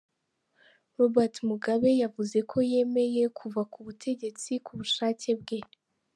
Robert Mugabe yavuze ko yemeye kuva k'ubutegetsi k'ubushake bwe.